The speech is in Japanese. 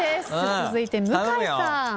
続いて向井さん。